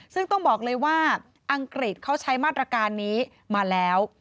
ซึ่งต้องบอกเลยว่าอังกฤษเขาใช้มาตรการนี้มาแล้ว